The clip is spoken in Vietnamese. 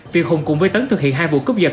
việc hùng cùng với tấn thực hiện hai vụ cướp giật